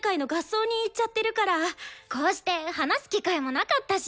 こうして話す機会もなかったし。